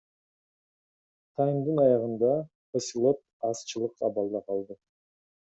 Таймдын аягында Хосилот азчылык абалда калды.